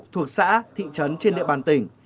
thuộc xã thị trấn trên địa bàn tỉnh